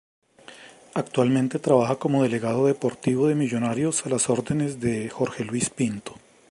Actualmente trabaja como delegado deportivo de Millonarios a las órdenes de Jorge Luis Pinto.